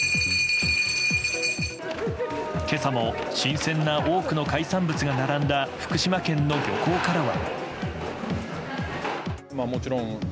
今朝も新鮮な多くの海産物が並んだ福島県の漁港からは。